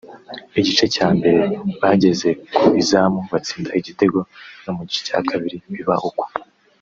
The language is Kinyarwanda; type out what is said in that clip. Igice cya mbere bageze ku izamu batsinda igitego no mu gice cya kabiri biba uko